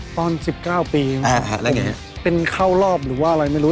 ตอน๑๙ปีของผมเป็นเข้ารอบหรือไม่รู้